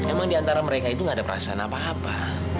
emang diantara mereka itu gak ada perasaan apa apa